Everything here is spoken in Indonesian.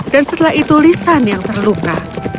dan setelah itu lisan yang terluka